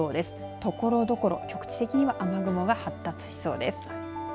ところどころ、局地的には雨雲が発達しそうです。